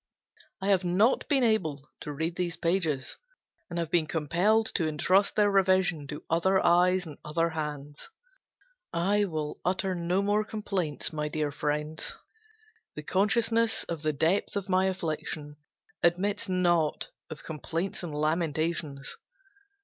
I have not been able to read these pages, and have been compelled to entrust their revision to other eyes and other hands. I will utter no more complaints, my dear friends; the consciousness of the depth of my affliction admits not of complaints and lamentations.